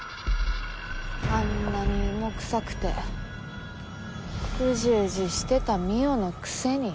あんなにイモくさくてウジウジしてた望緒のくせに。